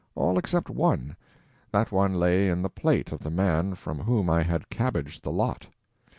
All except one—that one lay in the plate of the man from whom I had cabbaged the lot.